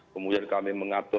kemudian kami mengatur